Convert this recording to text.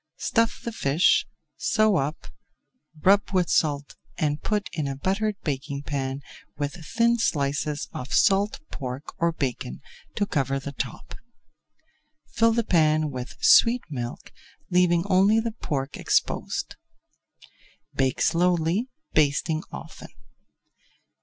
Stuff the fish, sew up, rub with salt and put in a buttered baking pan with thin slices of salt pork or bacon to cover the top. Fill the pan with sweet milk, leaving only the pork exposed. Bake slowly, basting often.